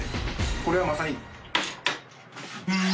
これはまさに。